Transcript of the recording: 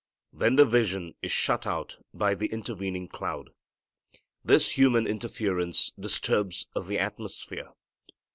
Then the vision is shut out by the intervening cloud. This human interference disturbs the atmosphere.